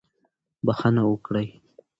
بښنه وکړئ.